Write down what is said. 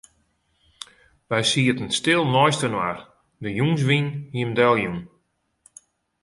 Wy sieten stil neistinoar, de jûnswyn hie him deljûn.